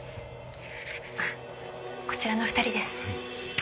あこちらの２人です。